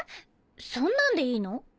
そんなんでいいの？